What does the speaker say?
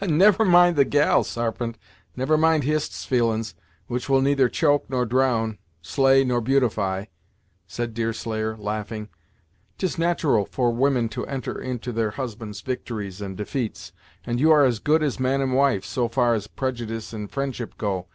"Never mind the gal, Sarpent, never mind Hist's feelin's, which will neither choke, nor drown, slay nor beautify," said Deerslayer, laughing. "'Tis nat'ral for women to enter into their husband's victories and defeats, and you are as good as man and wife, so far as prejudyce and fri'ndship go.